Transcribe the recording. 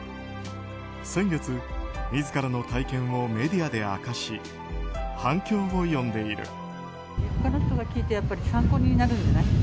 先月、自らの体験をメディアで明かし反響を呼んでいる。